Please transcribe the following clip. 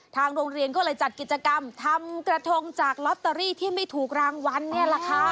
ทางโรงเรียนก็เลยจัดกิจกรรมทำกระทงจากลอตเตอรี่ที่ไม่ถูกรางวัลเนี่ยแหละค่ะ